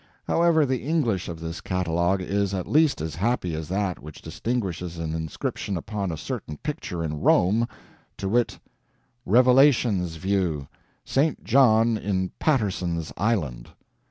However, the English of this catalogue is at least as happy as that which distinguishes an inscription upon a certain picture in Rome to wit: "Revelations View. St. John in Patterson's Island."